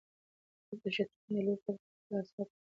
تاسو د شطرنج د لوبې پر مهال خپل اعصاب په کنټرول کې وساتئ.